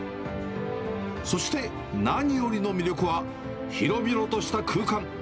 そして、何よりの魅力は広々とした空間。